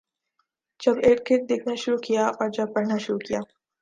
جب اردگرد دیکھنا شروع کیا اور جب پڑھنا شروع کیا